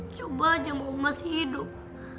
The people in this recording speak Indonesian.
coba aja mau oma sih hidup